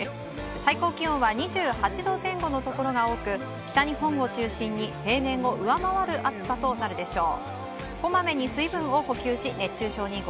最高気温は２８度前後のところが多く北日本を中心に、平年を上回る暑さとなるでしょう。